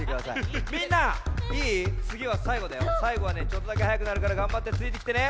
さいごはちょっとだけはやくなるからがんばってついてきてね。